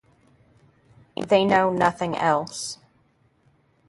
They know nothing else.